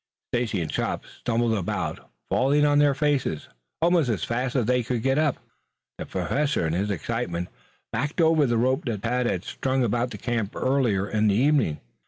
Stacy and Chops stumbled about, falling on their faces almost as fast as they could get up. The Professor in his excitement backed over the rope that Tad had strung about the camp earlier in the evening.